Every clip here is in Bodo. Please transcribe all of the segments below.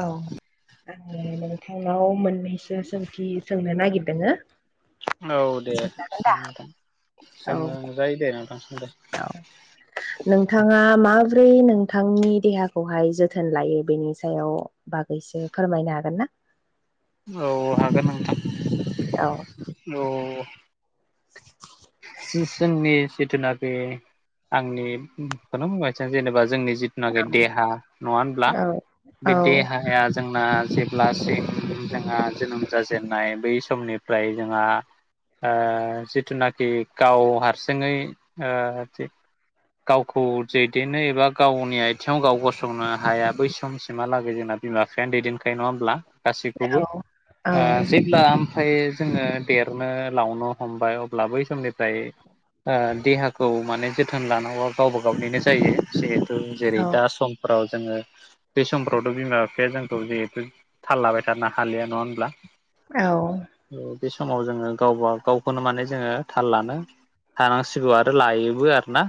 औ आङो नोंथांनाव मोननैसो सोंथि सोंनो नागिरदोंङो औ दे औ सोंजायो दे नोंथां सों दे। औ नोंथाङा माब्रै नोंथांनि देहाखौहाय जोथोन लायो बेनि सायाव बागै इसे फोरमायनो हागोन ना? औ हागोन औ नोंथां औ। [inaudible] जोंनि जिथुना बे आंनिखौनो बुंसै जेनेबा जोंनि जिथु नाखि देहा नङा होनब्ला औ औ बे देहाया जोंना जेब्लासिम जोंहा जोनोम जाजेननाय बै समनिफ्राय जोंहा ओ जिथुनाखि गाव हारसिङै ओ गावखौ दैदेननो एबा गावनि आथिङाव गाव गसंनो हाया बै समसिमहालागै जोंना बिमा बिफायानो दैदेनखायो नङा होमब्ला औ गासैखौबो औ ओ जे अब्ला ओमफ्राय जोंङो देरनो लावनो हमबाय अब्ला बै समनि फ्राय ओ देहाखौ माने जोथोन लानांगौआ गावबा गावनिनो जायोे जेहे जों जेरै दा समफोराव जोंङो बे समफ्रावथ' बिमा बिफाया जोंखौ जेहेथु थाल लाबायथारना हालिया नङा होनब्ला? औ बे समाव जोंङो गावबा गावखौनो माने जोंङो थाल लानो थानांसिगौ आरो लायोबो आरोना।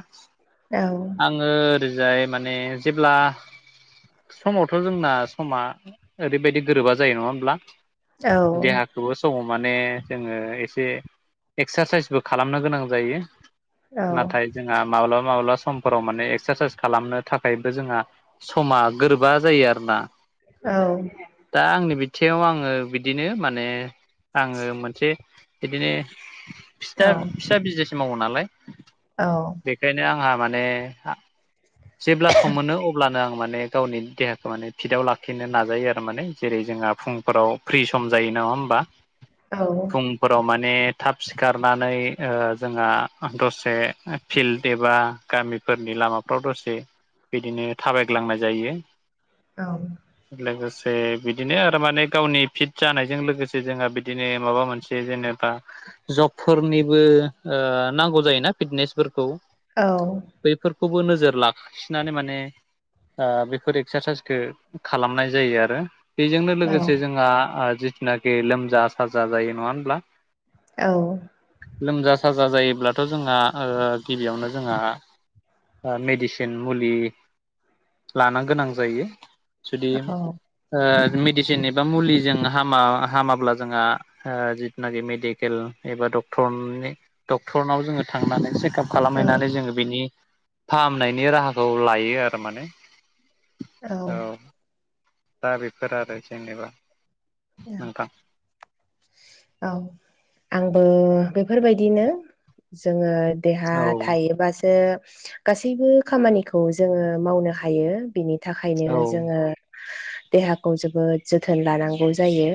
औ आंङो ओरैजाय माने जेब्ला समावथ' जोंना समा ओरैबायदि गोरोबा जायो नङा होमब्ला औ देहाखौबो समाव माने जोंङो एसे एक्सारसाइस बो खालामनो गोनां जायो नाथाय जोंहा माब्लाबा माब्ला समफोराव माने एक्सारसाइस खालामनो थाखायबो जोंहा समा गोरोबा जायो आरो ना। औ दा आंनि बिथिाव आंङो बिदिनो माने आंङो मोनसे बिदिनो औ फिथा फिसा बिजनेस मावो नालाय औ बेखायनो आंहा माने जेब्ला सम मोनो अब्लानो आं माने गावनि देहाखौ माने फिटआव लाखिनो नाजायो आरो माने जेरै जोंहा फुंफोराव फ्रि सम जायो नङा होमबा [inaudible] औ। फुंफोराव माने थाब सिखारनानै ओ जोंहा दसे फिल्ड एबा गामिफोरनि लामाफ्राव दस बिदिनो थाबायग्लांनाय जायो। औ लोगोसे बिदिनो आरो माने गावनि फिट जानायजों लोगोसे जोंहा बिदिनो माबा मोनसे बे जेनेबा जब फोरनिबो ओ नांगौ जायोना फिटनेसफोरखौ औ। बैफोरखौबो नोजोर ला सिनानो माने ओ बेफोर एक्सारसाइसखो खालामनाय जायो आरो। बेजोंनो लोगोसे जोंहा ओ जिथुनाखि लोमजा साजा जायो नङा होनब्ला औ लोमजा साजा जायोब्लाथ' जोंहा ओ गिबियावनो जोंहा ओ मेडिसिन मुलि लान गोनां जायो जुदि ओ मेडिसिन एबा मुलिजों हामा हामाब्ला जोंहा ओ जिथनागि मेडिकेल एबा डक्टरनि डक्टरनाव जोंङो थांनानै सेख कप खालामहैनानै जोंङो बिनि फाहामनायनि राहाखौ लायो आरो माने औ दा बेफोर आरो जेनेबा औ नोंथां औ आंबो बेफोरबायदिनो जोंङो देहा औ थायोबासो गासैबो खामानिखौ जोंङो मावनो हायो बेनि थाखायनो औ जोंङो देहाखौ जोबोद जोथोन लानांगौ। जायो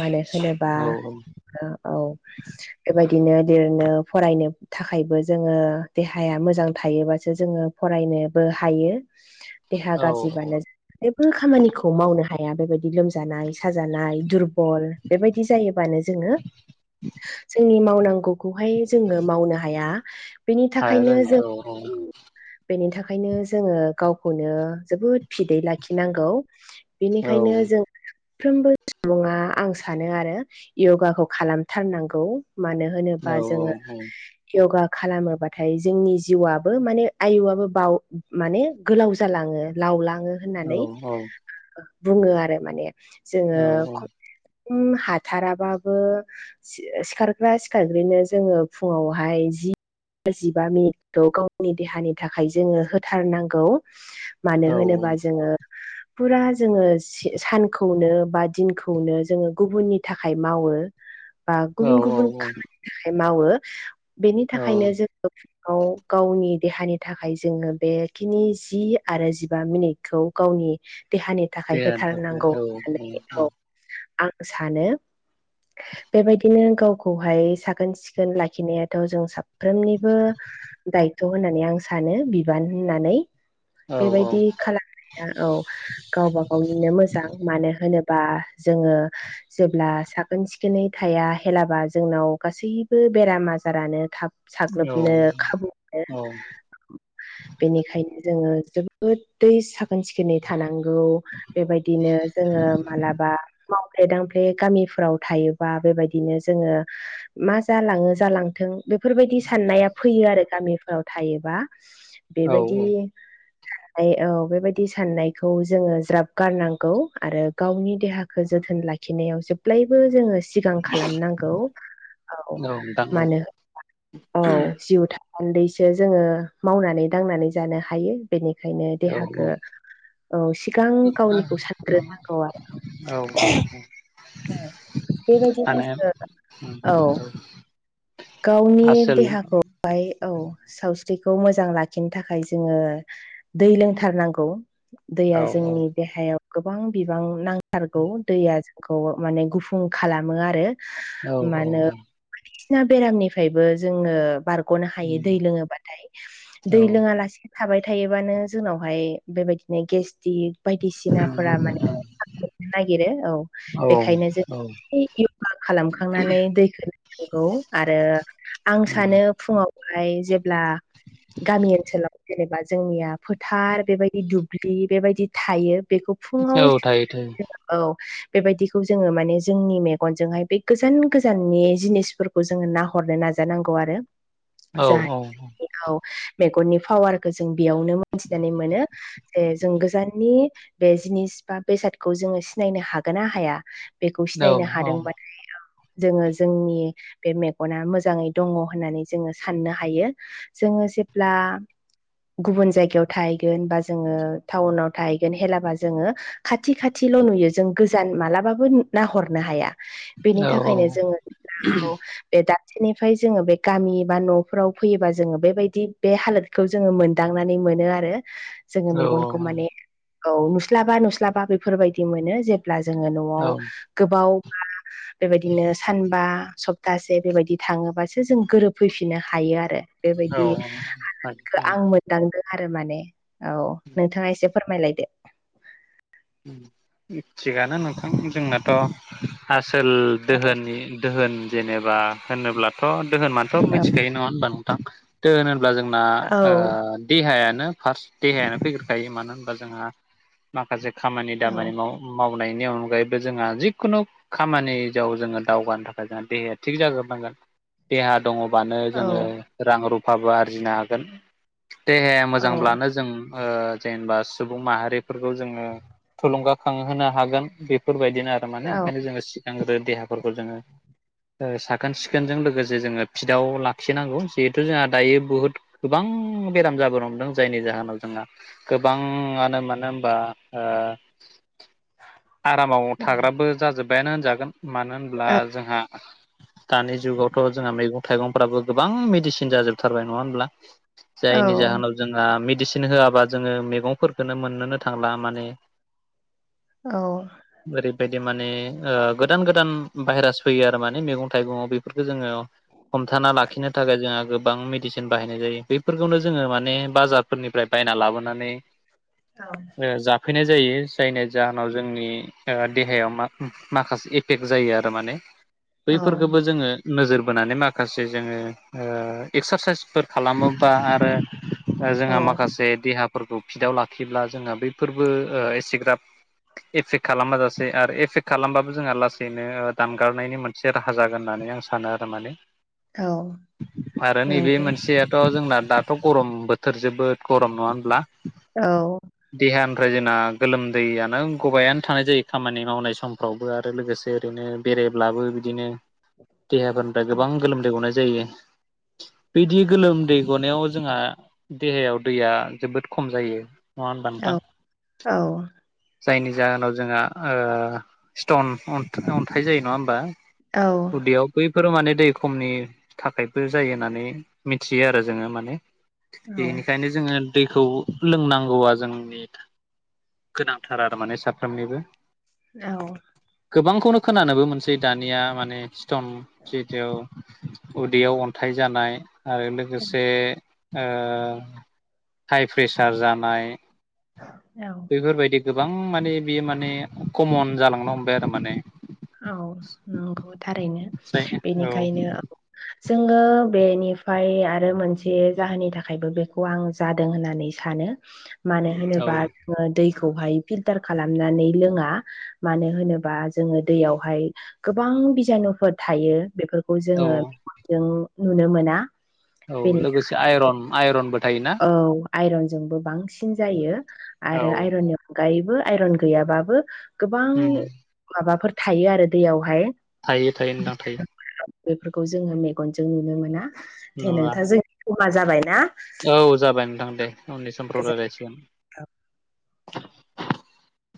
मानो होनो औ औ ओ औ बेबायदिनो लिरनो फरायनो थाखायबो जोङो देहाया मोजां थायोबासो जोङो फरायनोबो हायो। देहा औ औ गाज्रिबानो जेबो खामानिखौ मावनो हाया बेबायदि लोमजानाय साज जानाय दुरबल बेबायदि जायोबानो जोङो जोंनि मावनांगौखौहाय जोङो मावनो हाया। बेनि हाया थाखायनो जों जायो औ ओम। बेनि थाखायनो जोङो गावखौनो जोबोद फिदै लाखिनांगौ। औ बेनिखायनो जों फ्रोमबो सुबुङा आं सानो आरो य'गाखौ खालामथारनांगौ मानो औ होनोबा जोङो य'गा खालामोबाथाय जोंनि जिउआबो माने आयुआबो बाव माने गोलाव जालाङो लावलाङो। औ होननानै बुङो आरो माने जोङो औ खम हाथाराबाबो सिखारग्रा सिखारग्रोनो जोङो फुङावहाय जि जिबा मिनिटखौ गावनि देहानि थाखाय जोङो होथारनांगौ। मानो औ होनोबा जोङो पुरा जोङो सि-सान खौनो बा दिनखौनो जोङो गुबुननि थाखाय मावो। बा औ गुबुन गुबुन औ खामानिनि थाखाय मावो बेनि औ थाखायनो जों गाव गावनि देहानि थाखाय जोङो बेखिनि जि आरो जिबा मिनिटखौ गावनि देहानि थाखाय देहानि होथारनांगौ थाखायनो औ होननानै औ औ। आं सानो [inaudible] बेबायदिनो गावखौहाय साखोन सिखोन लाखिनायाथ' जों साफ्रोमनिबो दायथ' होननानै आं सानो बिबान होननानै। औ बेबायदि खालामनाया औ गावबा गावनिनो मोजां। मानो होनोबा जोङो जेब्ला साखोन सिखोनै थाया हेलाबा जोंनाव गासैबो बेराम आजारानो थाब साग्लोबनो खाबु मोनो। औ बेनिखायनो जोङो जोबोदै साखोन सिखोनै थानांगौ बेबायदिनो जोङो मालाबा मावफ्ले दांफ्ले गामिफोराव थायोबा बेबायदिनो जोङो मा जालाङो जालांथों बेफोरबायदि साननाया फैयो आरो गामिफोराव थायोबा। [inaudible] औ बेबायदि साननाय औ बेबायदि साननायखौ जोङो ज्राब गारनांगौ। आरो गावनि देहाखौ जोथोन लाखिनायाव जेब्लायबो जोङो सिगां खालामनांगौ औ नोंथां औ मानो होनोबा औ जिउ थासानदैसो जोङो मावनानै दांनानै जानो हायो बेनिखायनो औ देहाखो औ सिगां गावनिखौ सानग्रो। औ औ औ। औ बेबायदिनो माने जोङो औ। गावनि आसोल देहाखौहाय औ सावस्रिखौ मोजां लाखिनो थाखाय जोङो दै लोंथारनांगौ। औ दैया जोंनि देहायाव गोबां बिबां नांथारगौ दैया खौ माने गुफुं खालामो आरो। औ औ मानो औ। बायदिसिना बेरामनिफ्रायबो जोङो बारग'नो हायो दै लोङोबाथाय औ दै लोङा लासे थाबाय थायोबानो जोंनावहाय बेबायदिनो गेस्टिक बायदिसिनाफोरा माने [unintelligible] नागिरो औ बेखायनो जों य'गा खालामखांनानै दैखौ लोंनांगौ आरो आं सानो फुङावहाय जेब्ला गामि ओनसोलाव जेनेबा जोंनिया फोथार बेबायदि दुब्लि बेबायदि थायो बेखौ फुंआव थायो थायो [inaudible] औ बेबायदिखौ जोङो माने जोंनि मेगनजोंहाय बे गोजान गोजाननि जिनिसफोर खौ जोङो नाहरनो नाजानांगौ आरो‌। औ औ औ औ मेगननि पावारखौ जों बेयावनो मोनथिनानै मोनो ए जों गोजाननि बे जिनिस बा बेसादखौ जोङो सिनायनो हागोन ना हाया? बेखौ औ सिनायनो हादोंबाथाय जोङो जोंनि बे मेगना मोजाङै दङ होननानै जोङो साननो हायो जोङो जेब्ला गुबुन जायगायाव थाहैगोन बा जोङो टाउनाव थाहैगोन हेलाबा जोङो खाथि खाथिल' नुयो जों गोजान मालाबाबो नाहरनो हाया। बेनि औ औ थाखायनो जोङो औ बे दाबसेनिफ्राय जोङो बे गामि बा न'फोराव फैयोबा जोङो बेबायदि बे हालोद खौ जोङो मोनदांनानै मोनो आरो। जोङो औ मेगनखौ माने औ औ नुस्लाबा नुस्लाबा बेफोरबायदि मोनो जे अब्ला जोङो न'आव गोबावबा बेबायदिनो सानबा सब गासे बेबायदि थाङोबासो जों गोरोबफैफिननो हायो आरो। बेबायदि [unintelligible] औ आं मोन दांदो आरो माने औ नोंथाङा एसे फोरमायलाय दे थिगानो नोंथां जोंनाथ' आसोल औ दोहोनि दोहोन जेनेबा होनोब्लाथ' दोहोनाथ' औ मिथिखायो नङा होनबा नोंथां? दोहोन होनब्ला जोंना औ ओ देहायानो फार्स्ट देहायानो फैग्रोखायो मानो होनबा जोंहा माखासे खामानि औ दामानि माव मावनायनि अनगायैबो जोंहा जिखुनु खामानि जाव जोङो दावगानो थाखाय जोंहा देहाया थिग जागोरनांगोन देहा दङबानो औ जोङो रां रुफाबो आरजिनो हागोन देहाया औ मोजांब्लानो जों ओ जेनेबा सुबुं माहारिफोरखौ जोङो थुलुंगाखांहोनो हागोन बेफोरबायदिनो आरो औ माने ओंखायनो जोङो सिगांग्रो देहाफोरखौ जोङो ओ साखोन सिखोनजों लोगोसे जोङो फिटआव लाखिनांगौ जिहेथु जोंहा दायो बुहुद गोबां बेराम जाबोनो हमदों जायनि जाहोनाव जोंहा गोबाङानो मानो होमबा ओ आरामाव थाग्राबो जाजोब्बायानो होनजागोन मानो होनब्ला जोंहा दानि जुगावथ' जोंहा मैगं थाइगंफ्राबो गोबां मेडिसिन जाजोबथारबाय नङा होमब्ला? औ जायनि जाहोनाव जोंहा मेडिसिन होआबा जोङो मैगंफोरखौनो मोननोनो थांला माने [inaudible] औ ओरैबायदि माने ओ गोदान-गोदान भाइरास फैयो आरो माने मैगं थाइगंआव बेफोरफोरखौ जोङो हमथाना लाखिनो थाखाय जोंहा गोबां मेडिसिन बाहायनाय जायो बेैफोरखौनो जोङो माने बाजारफोरनिफ्राय बायना लाबोनानै। औ ओ जाफैनाय जायो जायनि जाहोनाव जोंनि ओ देहायाव माख-माखासे एफेक्ट जायो आरो माने औ बैफोरफोरखौबो जोङो नोजोर बोनानै माखासे जोङो ओ एक्सारसाइसफोर खालामोबा आरो जोंहा औ माखासे देहाफोरखौ फिटआव लाखिब्ला जोंहा बैफोरबो ‌ओ एसेग्राब एफेक्ट खालामबाजसेै आरो एफेक्ट खालामबाबो जोंहा लासैनो दानगारनायनि मोन से राहा जागोन होननानै आं सानो आरो माने औ आरो नैबे मोनसे थ' जोंना दाथ' गरम बोथोर जोबोद गरम नङा होनब्ला औ देहानिफ्राय जोंना गोलोमदैयानो गबबायानो थानाय जायो खामानि मावनाय समफ्रावबो आरो लोगोसे ओरैनो बेरायब्लाबो बिदिनो देहाफोरनिफ्राय गोबां गोलोमदै गनाय जायो। बिदि गोलोमदै गनायाव जोंहा देहायाव दैया जोबोद खम जायो नङा होनोमबा नोंथां। जायनि जाहोनाव जोंहा ओ स्टन अन-अन्थाइ जायो नङा होमबा? उदियाव बैफोराव माने दै खमनि थाखायबो जायो होननानै मिथियो आरो जोङो माने। बेनिखायनो जोङो दैखौ लोंनांगौआ जों [unintelligible] गोनांथार आरो माने साफ्रोमनिबो। औ गोबांखौनो खोनानोबो मोनसै दानिया माने स्टन [unintelligible] उदैयाव अन्थाइ जानाय आरो लोगोसे। ओ हाइप्रेसार जानाय औ। बेफोरबायदि गोबां माने बियो माने कमन जालांनो हमबाय आरो माने। औ नोंखौ थारैनो। बेनिखायनो औ जोङो बेनिफ्राय आरो मोनसे जाहोननि थाखायबो बेखौ आं जादों होननानै सानो मानो होनोबा दैखौहाय फिलटार खालामनानै लोङा मानो होनोबा जोङो दैयावहाय गोबां बिजानुफोर थायो बेफोरखौ औ जोङो। जों नुनो मोना। औ बेनि लोगोसे आयरन आइरनबो थायोना? औ आइरनजोंबो बांसिन जायो औ आरो आइरननि नगायैबो आइरन गैयाबाबबो गोबां उम माबाफोर थायो आरो दैयावहाय थायो थायो नोंथां थायो बेफोरखौ जोङो मेगनजों नुनो मोना दे नङा नोंथा जों समा जाबायना। औ जाबाय नोंथां दे उननि समफ्राव गोजोनथों। रायलायसै। [inaudible]